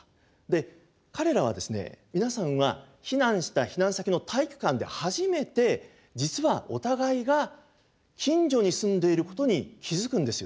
で彼らは皆さんは避難した避難先の体育館で初めて実はお互いが近所に住んでいることに気付くんですよね。